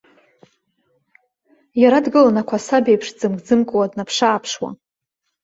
Иара дгылан ақәасаб еиԥш дӡымк-ӡымкуа, днаԥш-ааԥшуа.